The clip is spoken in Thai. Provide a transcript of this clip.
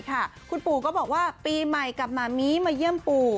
คุณปูก็บอกว่าปีใหม่คุณปูก็กับมามี้มาเยี่ยมปู